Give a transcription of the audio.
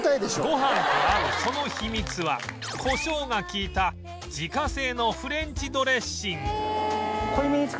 ご飯と合うその秘密はコショウが利いた自家製のフレンチドレッシング